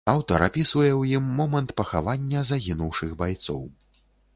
Аўтар апісвае ў ім момант пахавання загінуўшых байцоў.